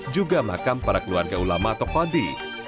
juga makam para keluarga ulama atau khadi